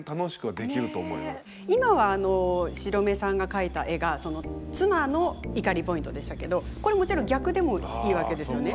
今は白目さんが描いた絵が妻の怒りポイントでしたけどこれもちろん逆でもいいわけですよね。